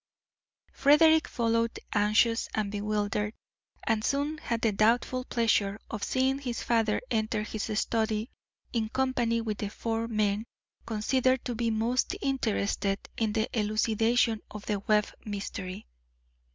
Frederick followed, anxious and bewildered, and soon had the doubtful pleasure of seeing his father enter his study in company with the four men considered to be most interested in the elucidation of the Webb mystery.